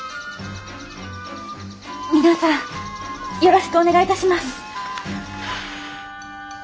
皆さんよろしくお願い致します。